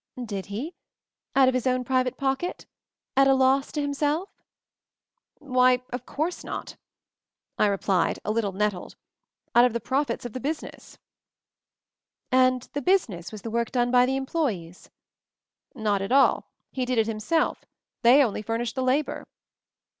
"Did he? Out of his own private pocket? At a loss to himself." "Why, of course not," I replied, a little nettled. "Out of the profits of the busi ness." 142 MOVING THE MOUNTAIN "And 'the business' was the work done by the employees?" "Not at all! He did it himself; they only furnished the labor."